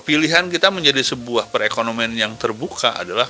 pilihan kita menjadi sebuah perekonomian yang terbuka adalah